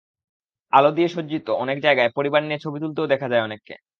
আলো দিয়ে সজ্জিত অনেক জায়গায় পরিবার নিয়ে ছবি তুলতেও দেখা যায় অনেককে।